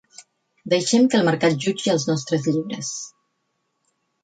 Deixem que el mercat jutgi els nostres llibres.